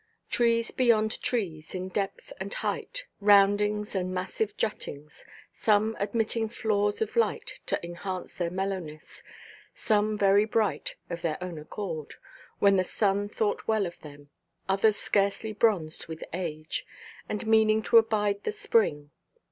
Trees beyond trees, in depth and height, roundings and massive juttings, some admitting flaws of light to enhance their mellowness, some very bright of their own accord, when the sun thought well of them, others scarcely bronzed with age, and meaning to abide the spring.